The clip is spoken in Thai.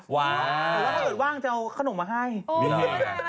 แต่ว่าถ้าเกิดว่างจะเอาขนมมาให้